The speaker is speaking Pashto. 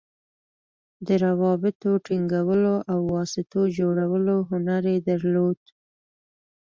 د روابطو د ټینګولو او واسطو جوړولو هنر یې درلود.